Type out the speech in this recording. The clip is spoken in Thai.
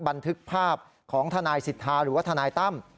บันทึกภาพของทนายสิทธาหรือว่าทนายตั้ม